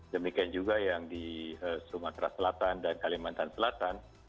demikian juga yang di sumatera selatan dan kalimantan selatan